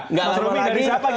nah mas romi ini dari siapa